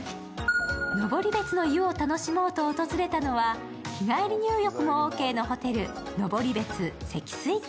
登別の湯を楽しもうと訪れたのは日帰り入浴もオーケーのホテル、登別石水亭。